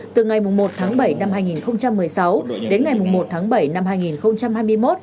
từ ngày một tháng bảy năm hai nghìn một mươi sáu đến ngày một tháng bảy năm hai nghìn hai mươi một